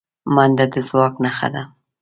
منډه د ځواک نښه ده